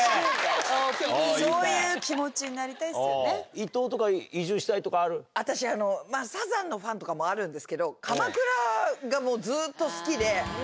そういう気持ちになりたいでいとうとか、私、サザンのファンとかもあるんですけど、鎌倉がもう、ずっと好きで。